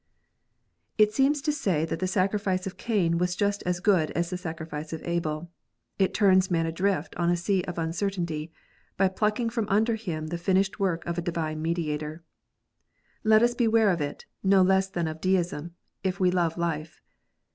It seems to say that the sacrifice of Cain was just as good as the sacrifice of Abel. It turns man adrift on a sea of uncertainty, by plucking from under him the finished work of a divine Mediator. Let us beware of it, no less than of Deism, if we love life.